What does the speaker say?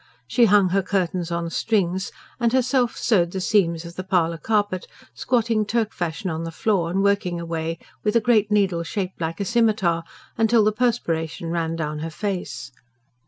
She hung her curtains on strings, and herself sewed the seams of the parlour carpet, squatting Turk fashion on the floor, and working away, with a great needle shaped like a scimitar, till the perspiration ran down her face.